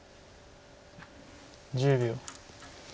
１０秒。